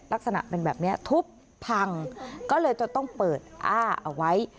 ลักษณะเป็นแบบนี้ทุบพังก็เลยจะต้องเปิดอ้าเอาไว้